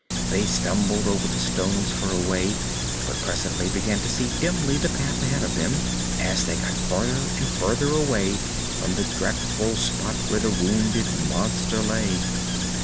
They stumbled over the stones for a way but presently began to see dimly the path ahead of them, as they got farther and farther away from the dreadful spot where the wounded monster lay.